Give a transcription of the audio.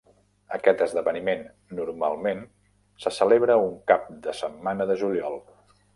Aquest esdeveniment normalment se celebra un cap de setmana de juliol.